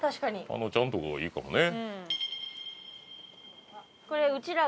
加納ちゃんとかがいいかもね。